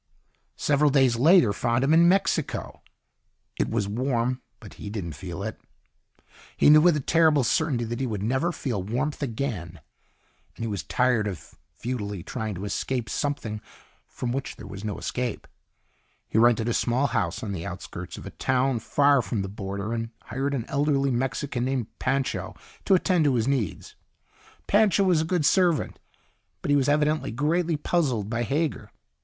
Several days later found him in Mexico. It was warm but he didn't feel it. He knew with a terrible certainty that he would never feel warmth again. And he was tired of futilely trying to escape something from which there was no escape. He rented a small house on the outskirts of a town far from the Border and hired an elderly Mexican named Pancho to attend to his needs. Pancho was a good servant. But he was evidently greatly puzzled by Hager.